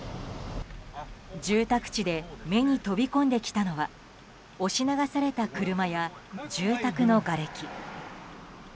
住宅地で目に飛び込んできたのは押し流された車や住宅のがれき。